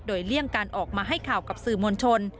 โดยเลี่ยงการออกมาให้ข่าวกับสื่อมวลชน